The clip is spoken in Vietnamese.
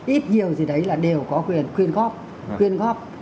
ít nhiều gì đấy là đều có quyền khuyên góp